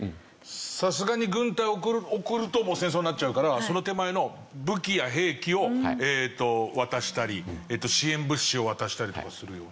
さすがに軍隊を送ると戦争になっちゃうからその手前の武器や兵器を渡したり支援物資を渡したりとかするように。